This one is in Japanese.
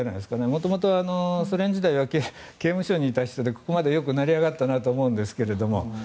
元々、ソ連時代は刑務所にいた人でここまでよく成り上がったなと思うんですが。